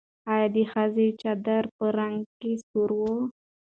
ایا د ښځې چادر په رنګ کې سور و؟